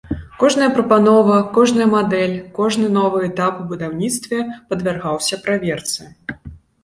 Кожная прапанова, кожная мадэль, кожны новы этап у будаўніцтве падвяргаўся праверцы.